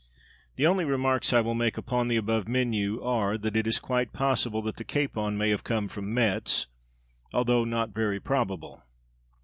The only remarks I will make upon the above menu are that it is quite possible that the capon may have come from Metz, though not very probable.